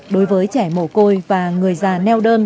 đối với trẻ mồ côi và người già neo đơn